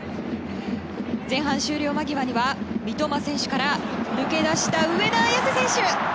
前半終了間際には三笘選手から抜け出した、上田綺世選手。